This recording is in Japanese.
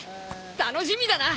楽しみだな！